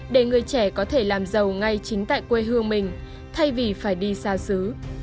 để người trẻ có thể làm giàu ngay chính tại quê hương mình thay vì phải đi xa xứ